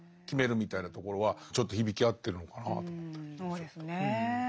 そうですね。